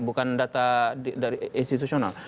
bukan data dari institusional